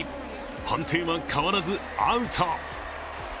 判定は変わらずアウト。